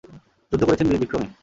যুদ্ধ করেছেন বীরবিক্রমে।